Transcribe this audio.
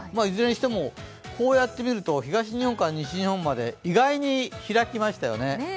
いずれにしても、こうやって見ると東日本まで西日本まで意外に開きましたよね。